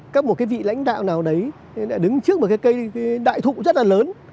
các một vị lãnh đạo nào đấy đã đứng trước một cây đại thụ rất là lớn